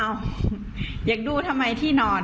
อยากดูทำไมที่นอน